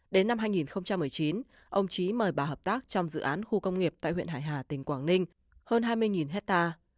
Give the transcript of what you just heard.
đến năm hai nghìn một mươi chín ông trí mời bà hợp tác trong dự án khu công nghiệp tại huyện hải hà tỉnh quảng ninh hơn hai mươi hectare